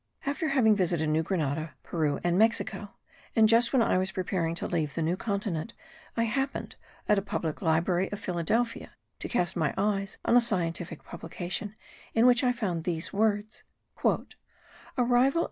After having visited New Grenada, Peru and Mexico, and just when I was preparing to leave the New Continent, I happened, at a public library of Philadelphia, to cast my eyes on a scientific Publication, in which I found these words: "Arrival of M.